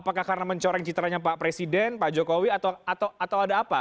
apakah karena mencoreng citranya pak presiden pak jokowi atau ada apa